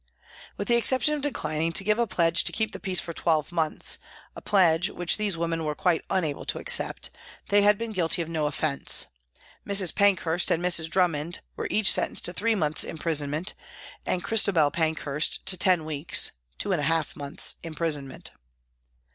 With the exception of declining to give a pledge to keep the peace for twelve months, a pledge which these women were quite unable to accept, they had been guilty of no offence. Mrs. Pankhurst and Mrs. Drummond were each sentenced to three 30 PRISONS AND PRISONERS months' imprisonment, and Christabel Pankhurst to ten weeks' (two and a half months) imprisonment.